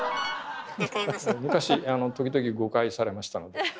昔時々誤解されましたので。